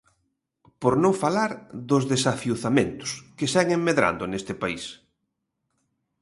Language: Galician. Por non falar dos desafiuzamentos, que seguen medrando neste país.